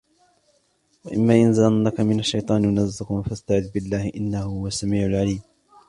وإما ينزغنك من الشيطان نزغ فاستعذ بالله إنه هو السميع العليم